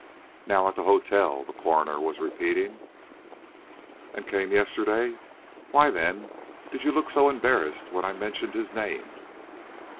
"Now at the hotel?" the coroner was repeating. "And came yesterday? Why, then, did you look so embarrassed when I mentioned his name?"